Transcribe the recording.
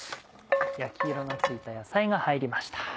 焼き色のついた野菜が入りました。